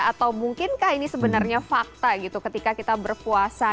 atau mungkinkah ini sebenarnya fakta gitu ketika kita berpuasa